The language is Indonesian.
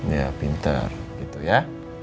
ya pinter gitu ya